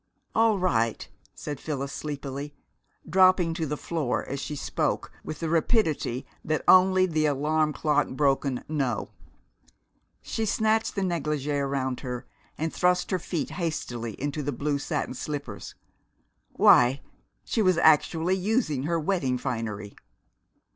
"All right," said Phyllis sleepily, dropping to the floor as she spoke with the rapidity that only the alarm clock broken know. She snatched the negligee around her, and thrust her feet hastily into the blue satin slippers why, she was actually using her wedding finery!